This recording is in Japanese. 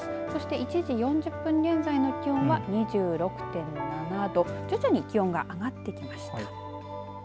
１時４０分現在の気温は２６．７度徐々に気温が上がってきました。